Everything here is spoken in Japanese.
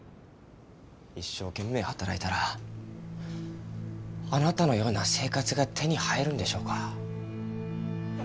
一生懸命働いたらあなたのような生活が手に入るんでしょうか？